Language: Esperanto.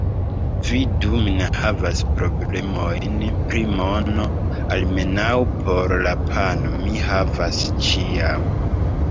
Vidu: mi ne havas problemojn pri mono, almenaŭ por la pano mi havas ĉiam.